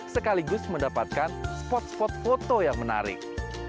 sekaligus mendapatkan spot spot foto yang menarik